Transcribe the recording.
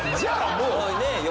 もう。